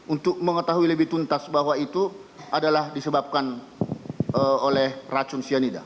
untuk mengetahui lebih tuntas bahwa itu adalah disebabkan oleh racun cyanida